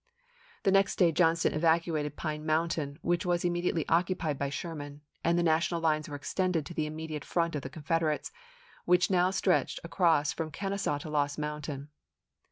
The next day Johnston evacuated Pine Mountain, which was immediately occupied by Sherman, and the National lines were extended to the immediate front of the Confederates, which now stretched across from Kenesaw to Lost Mountain.